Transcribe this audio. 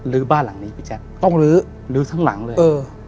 บ้านหลังนี้พี่แจ๊คต้องลื้อลื้อทั้งหลังเลยเออ